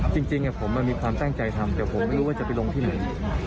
จริงจริงอะผมมันมีความตั้งใจทำเสียผมไม่รู้ว่าจะไปลงที่ไหน